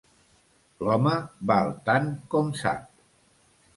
L'home val tant com sap.